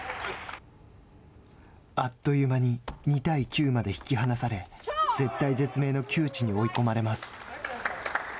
あっという間に２対９まで引き離され絶体絶命の窮地に追い込まれます。